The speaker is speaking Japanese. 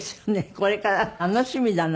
これから楽しみだな。